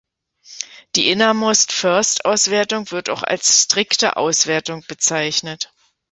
Die innermost-first-Auswertung wird auch als strikte Auswertung bezeichnet.